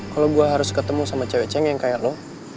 kalau gue harus ketemu sama cewek cewek yang kayak lo